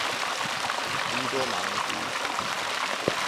伊多芒迪。